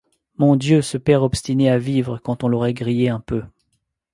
Mon Dieu! ce père obstiné à vivre, quand on l’aurait grillé un peu !